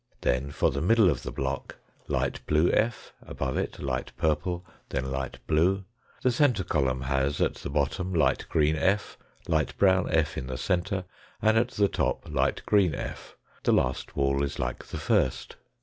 Then for the middle of the block, light blue f., above it light purple, then light blue. The centre column has, at the bottom, light green f., light brown f. in the centre and at the top light green f. The last wall is like the first.